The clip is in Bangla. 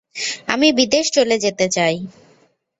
আমি বিদেশ চলে যেতে চাই।